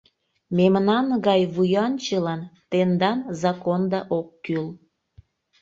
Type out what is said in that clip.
Мемнан гай вуянчылан тендан законда ок кӱл!..